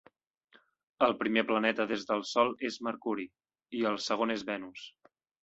El primer planeta des del sol és Mercuri, i el segon és Venus